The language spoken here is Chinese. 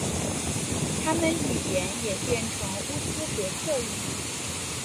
他们语言也变成乌兹别克语。